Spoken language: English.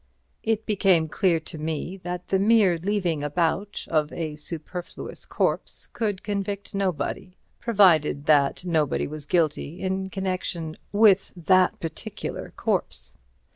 It became clear to me that the mere leaving about of a superfluous corpse could convict nobody, provided that nobody was guilty in connection with that particular corpse.